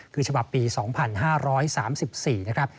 คือฉบับปี๒๕๓๔นะครับ